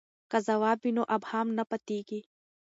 که ځواب وي نو ابهام نه پاتیږي.